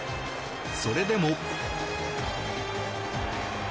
それでも。